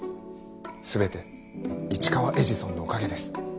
全て市川エジソンのおかげです。